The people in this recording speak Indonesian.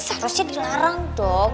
seharusnya dilarang dong